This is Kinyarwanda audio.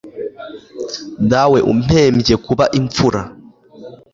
dawe umpembye kuba imfura